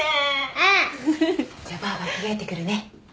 うん！じゃばあば着替えてくるね。